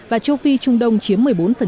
và châu phi trung đông chiếm một mươi bốn